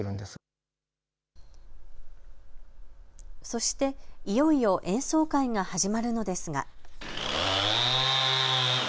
そして、いよいよ演奏会が始まるのですが。